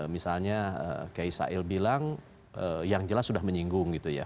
misalnya kayak isail bilang yang jelas sudah menyinggung gitu ya